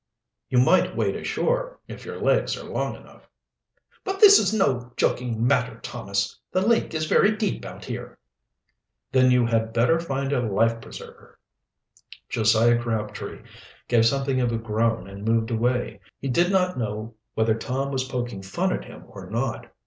"You might wade ashore, if your legs are long enough." "But this is no joking matter, Thomas. The lake is very deep out here." "Then you had better find a life preserver." Josiah Crabtree gave something of a groan and moved away. He did not know whether Tom was poking fun at him or not.